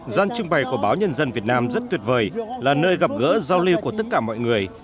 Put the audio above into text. gian trưng bày của báo nhân dân việt nam rất tuyệt vời là nơi gặp gỡ giao lưu của tất cả mọi người